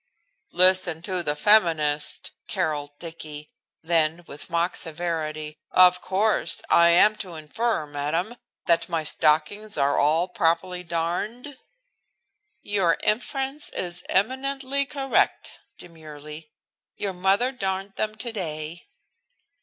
"Listen to the feminist?" carolled Dicky; then with mock severity: "Of course, I am to infer, madam, that my stockings are all properly darned?" "Your inference is eminently correct," demurely. "Your mother darned them today."